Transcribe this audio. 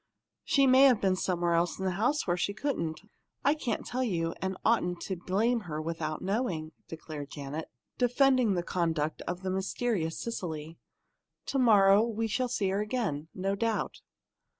"She may have been somewhere in the house where she couldn't. You can't tell, and oughtn't to blame her without knowing," declared Janet, defending the conduct of the mysterious Cecily. "To morrow we'll see her again, no doubt."